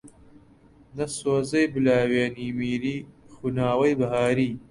نە سۆزەی بلاوێنی میری، خوناوەی بەهاری